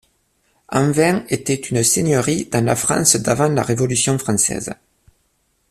Anvin était une seigneurie dans la France d'avant la Révolution française.